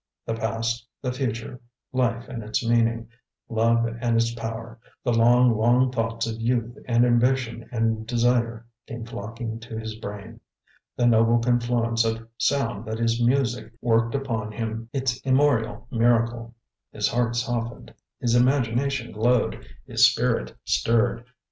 The past, the future, life and its meaning, love and its power, the long, long thoughts of youth and ambition and desire came flocking to his brain. The noble confluence of sound that is music worked upon him its immemorial miracle; his heart softened, his imagination glowed, his spirit stirred.